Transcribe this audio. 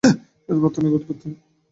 শুধু প্রার্থনাই করতে পারতাম।